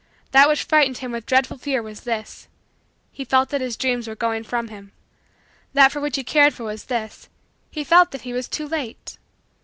That which frightened him with dreadful fear was this: he felt that his dreams were going from him. That for which he cared was this: he felt that he was too late.